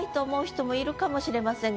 かもしれません